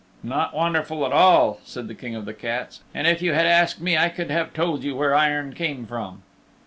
"Not wonderful at all," said the King of the Cats, "and if you had asked me I could have told you where iron came from."